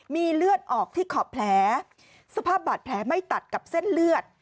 มีเลือดออกที่ขอบแผลสภาพบาดแผลไม่ตัดกับเส้นเลือด